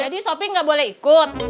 jadi sopi gak boleh ikut